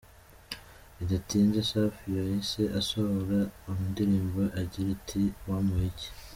Bidatinze, Safi yahise asohora indirimbo igira iti: “Wampoye iki”.